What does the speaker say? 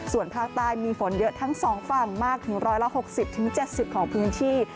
ส่วนภาคใต้มีฝนเยอะทั้ง๒ฝั่งมากถึง๑๖๐๗๐ของพื้นที่